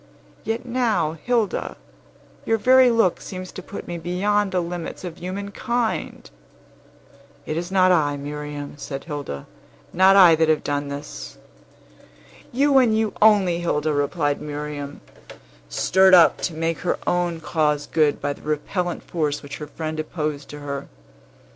Yet now, Hilda, your very look seems to put me beyond the limits of human kind!" "It is not I, Miriam," said Hilda; "not I that have done this." "You, and you only, Hilda," replied Miriam, stirred up to make her own cause good by the repellent force which her friend opposed to her.